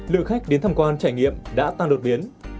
lượng khách đến thăm quan trải nghiệm đã tăng đột biến